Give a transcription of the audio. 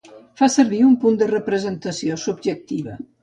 Fa servir un punt de representació subjectiva.